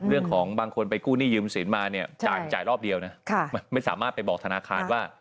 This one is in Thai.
บางคนไปกู้หนี้ยืมสินมาเนี่ยจ่ายรอบเดียวนะไม่สามารถไปบอกธนาคารว่า